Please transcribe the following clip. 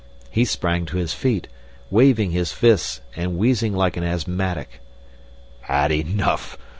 He sprang to his feet, waving his fists and wheezing like an asthmatic. "Had enough?"